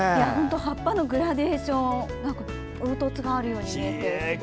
葉っぱのグラデーション凹凸があるように見えて。